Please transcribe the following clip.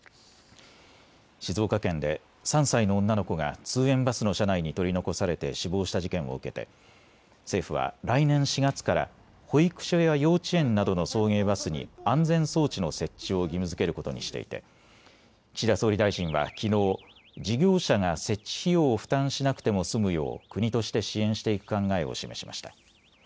静岡県で３歳の女の子が通園バスの車内に取り残されて死亡した事件を受けて政府は来年４月から保育所や幼稚園などの送迎バスに安全装置の設置を義務づけることにしていて岸田総理大臣はきのう、事業者が設置費用を負担しなくても済むよう国として支援していく考えを示しました。